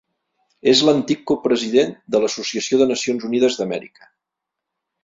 És l'antic copresident de l'Associació de Nacions Unides d'Amèrica.